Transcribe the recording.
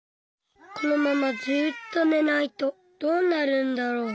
このままずっとねないとどうなるんだろう？